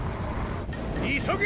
急げ！